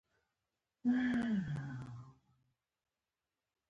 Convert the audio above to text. له طبیعي خطرونو څخه خوندیتوب ده.